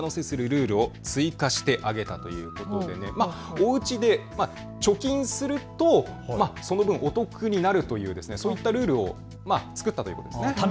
おうちで貯金するとその分お得になるというそういったルールを作ったということですね。